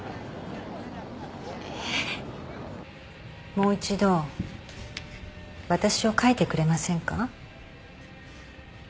もう一度私を描いてくれませんか？